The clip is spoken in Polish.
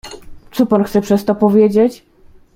"Co pan chce przez to powiedzieć?"